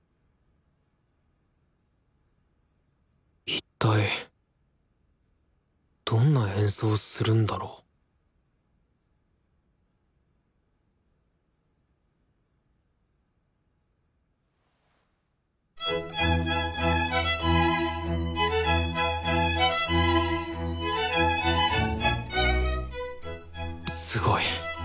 いったいどんな演奏をするんだろうすごい。